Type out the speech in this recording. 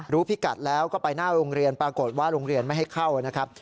พิกัดแล้วก็ไปหน้าโรงเรียนปรากฏว่าโรงเรียนไม่ให้เข้านะครับ